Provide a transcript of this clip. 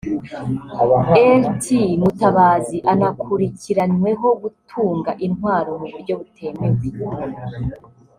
Lt Mutabazi anakurikiranyweho gutunga intwaro mu buryo butemewe